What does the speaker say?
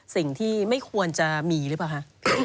สิ่งที่ไม่ควรจะมีหรือเปล่าคะ